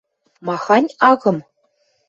– Махань агым?